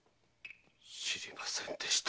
知りませんでした。